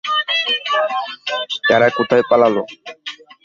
তারা কোথায় পালালো?